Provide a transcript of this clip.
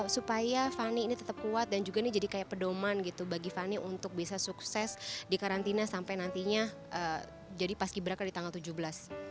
supaya fanny ini tetap kuat dan juga ini jadi kayak pedoman gitu bagi fanny untuk bisa sukses di karantina sampai nantinya jadi paski beraka di tanggal tujuh belas